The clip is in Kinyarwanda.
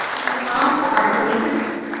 Nzi impamvu akora ibi.